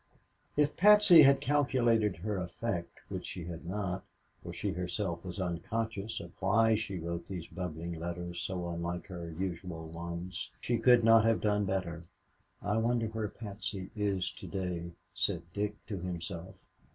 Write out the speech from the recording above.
If Patsy had calculated her effect which she had not, for she herself was unconscious of why she wrote these bubbling letters so unlike her usual ones, she could not have done better. "I wonder where Patsy is to day," said Dick to himself.